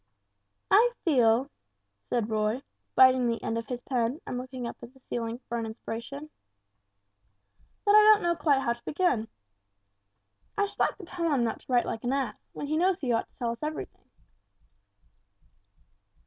"I feel," said Roy, biting the end of his pen and looking up at the ceiling for an inspiration, "that I don't know quite how to begin. I should like to tell him not to write like an ass, when he knows he ought to tell us everything."